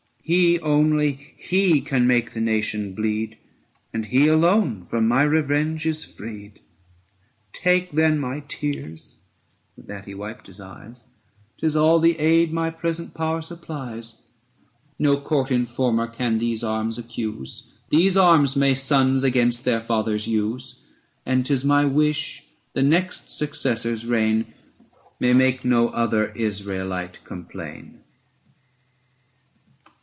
He, only he can make the nation bleed, 715 And he alone from my revenge is freed. Take then my tears (with that he wiped his eyes), 'Tis all the aid my present power supplies : No court informer can these arms accuse ; These arms may sons against their fathers use. 720 And 'tis my wish, the next successor's reign May make no other Israelite complain.'